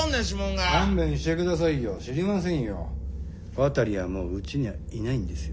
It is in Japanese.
渡はもううちにはいないんですよ。